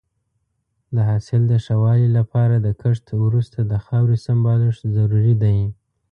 د حاصل د ښه والي لپاره د کښت وروسته د خاورې سمبالښت ضروري دی.